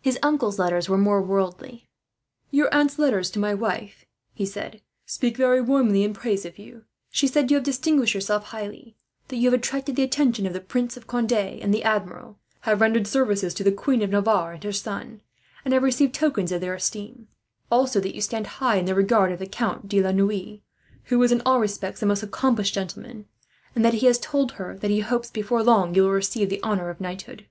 His uncle's letters were more worldly. "Your aunt's letters to my wife," he said, "speak very warmly in praise of you. She said you have distinguished yourself highly, that you have attracted the attention of the Prince of Conde and the Admiral, have rendered service to the Queen of Navarre and her son, and have received tokens of their esteem; also that you stand high in the regard of the Count de la Noue, who is in all respects a most accomplished gentleman; and that he has told her that he hopes, before long, you will receive the honour of knighthood.